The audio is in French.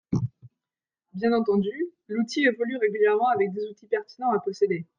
Bien entendu, l’outil évolue régulièrement avec des outils pertinents à posséder.